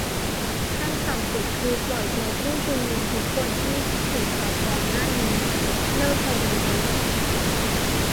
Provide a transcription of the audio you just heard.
ขั้นต่ำสุดคือปล่อยตัวผู้ชุมนุมทุกคนที่ถูกจับก่อนหน้านี้ เลิกคดีทั้งหมด